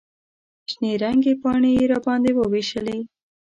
شنې رنګې پاڼې یې راباندې ووېشلې.